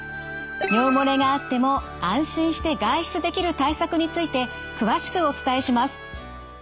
尿漏れがあっても安心して外出できる対策について詳しくお伝えします。